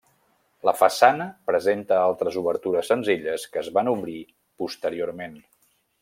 La façana presenta altres obertures senzilles que es van obrir posteriorment.